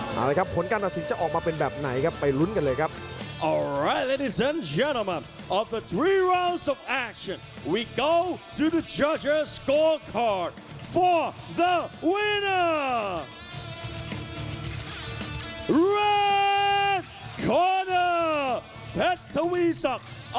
เอาละครับผลการตัดสินจะออกมาเป็นแบบไหนครับไปลุ้นกันเลยครับ